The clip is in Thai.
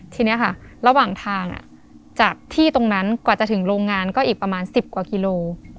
ทีนี้ค่ะระหว่างทางจากที่ตรงนั้นกว่าจะถึงโรงงานก็อีกประมาณ๑๐กว่ากิโล